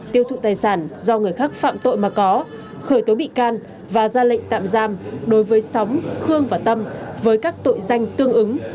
tiêu thụ tài sản do người khác phạm tội mà có khởi tố bị can và ra lệnh tạm giam đối với sóng khương và tâm với các tội danh tương ứng